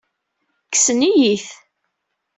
Kksen-iyi-t.